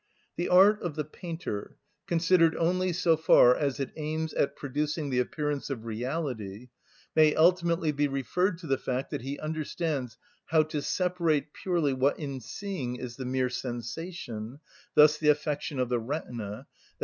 The art of the painter, considered only so far as it aims at producing the appearance of reality, may ultimately be referred to the fact that he understands how to separate purely what in seeing is the mere sensation, thus the affection of the retina, _i.